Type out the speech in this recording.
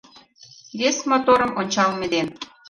Вес моторым ончалме ден